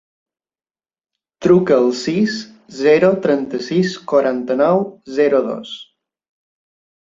Truca al sis, zero, trenta-sis, quaranta-nou, zero, dos.